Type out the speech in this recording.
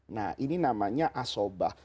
nah ini namanya asobah